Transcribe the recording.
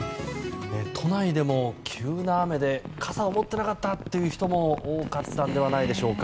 都内でも急な雨で傘を持っていなかった人も多かったのではないでしょうか。